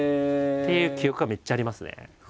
という記憶がめっちゃありますね。